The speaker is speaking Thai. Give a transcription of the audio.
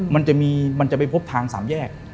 มันจะไปพบทางสามแยก